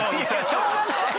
しょうがない。